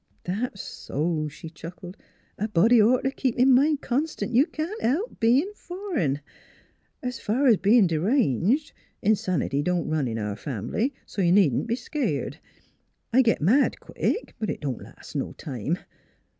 "That's so! " she chuckled. "A body'd ought t' keep in mind constant that you can't help bein' fur'n. As f'r bein' d'ranged, insanity don't run in our fambly, so you needn't be skeered; I git mad quick, but it don't last no time.